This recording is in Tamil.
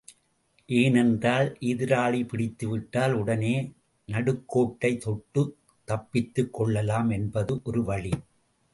ஏனென்றால், எதிராளி பிடித்துவிட்டால், உடனே நடுக்கோட்டைத் தொட்டுத் தப்பித்துக்கொள்ளலாம் என்பது ஒரு வழி.